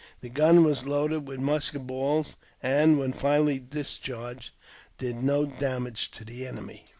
The gun was loaded with musket balls, and, when finally discharged, did no damage to the enemy.